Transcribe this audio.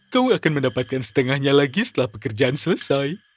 kau akan mendapatkan setengahnya lagi setelah pekerjaan selesai